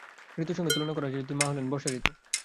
ঋতুর সঙ্গে তুলনা করা যায় যদি, মা হলেন বর্ষাঋতু।